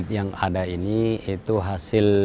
atlet yang ada ini itu khasnya dari pharmeculture